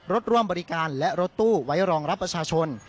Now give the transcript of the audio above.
ร่วมบริการและรถตู้ไว้รองรับประชาชน